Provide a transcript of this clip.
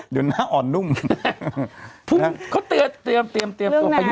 หยุดหน้าอ่อนนุ่มเพิ่งซึ่งความเปลี่ยนมือหน้า